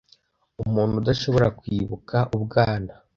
umuntu udashobora kwibuka ubwana